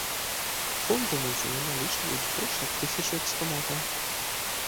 Фонды музея налічваюць больш як тысячу экспанатаў.